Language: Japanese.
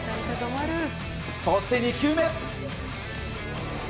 そして、２球目。